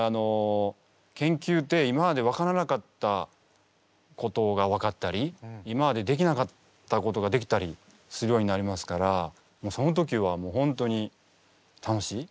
研究って今まで分からなかったことが分かったり今までできなかったことができたりするようになりますからその時はホントに楽しい。